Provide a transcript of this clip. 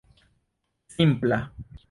simpla